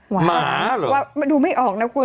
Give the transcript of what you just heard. หวังว่าดูไม่ออกนะคุณ